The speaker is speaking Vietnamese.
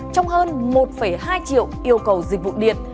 trong hơn một hai triệu yêu cầu dịch vụ điện